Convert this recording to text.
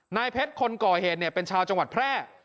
นายเพชรคนก่อเหตุเป็นชาวจังหวัดแพร่